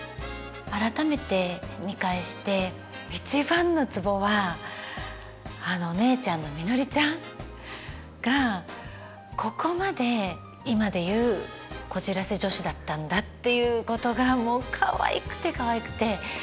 改めて見返して一番のツボはあの姉ちゃんのみのりちゃんがここまで今で言うこじらせ女子だったんだっていうことがもうかわいくてかわいくて。